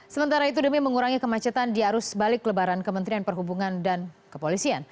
sementara itu demi mengurangi kemacetan di arus balik lebaran kementerian perhubungan dan kepolisian